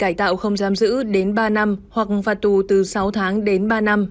cải tạo không giam giữ đến ba năm hoặc phạt tù từ sáu tháng đến ba năm